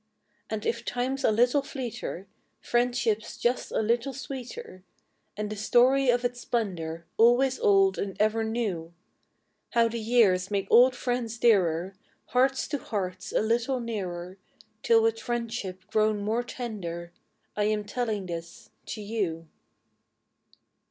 y\AJD if time's a little / V fleeter, friendship s just a little sxx>eeter, And the storp o" its splendor AlvOaps old and eVer neu); Hovc> the pears make old friends dearet~, Hearts to hearts a little nearer Till voith friendship pro>xm more tender I am tellina this to ou.